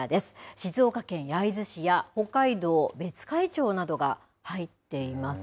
静岡県焼津市や北海道別海町などが入っています。